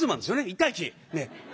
１対１。